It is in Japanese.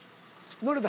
乗れた？